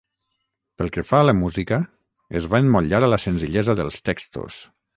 Pel que fa a la música, es va emmotllar a la senzillesa dels textos.